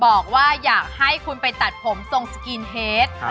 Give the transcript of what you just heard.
บอกว่าอยากให้คุณไปตัดผมทรงสกรีนเฮด